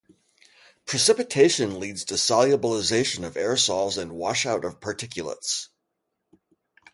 Precipitation leads to solubilization of aerosols and washout of particulates.